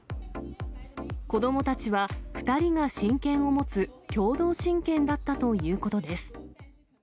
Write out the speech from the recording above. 子どもたちは２人が親権を持つ共同親権だったということです。